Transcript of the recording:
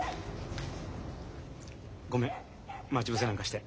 ごめん待ち伏せなんかして。